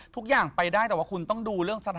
ทุกอย่างไปได้แต่ว่าคุณต้องดูเรื่องสถานะ